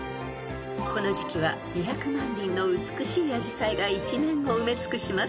［この時季は２００万輪の美しいアジサイが一面を埋め尽くします］